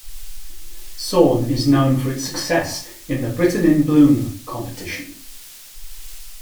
Sorn is known for its success in the Britain in Bloom competition.